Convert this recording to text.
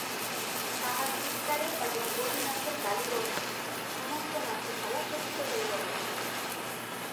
তাহার চীৎকারে এবং গোপীনাথের গালিবর্ষণে সমস্ত নাট্যশালা চকিত হইয়া উঠিল।